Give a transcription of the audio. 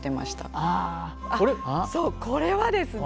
あっそうこれはですね